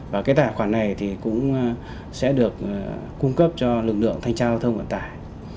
và cái tài khoản này thì cũng sẽ được cung cấp cho lực lượng thanh trao thông quản tài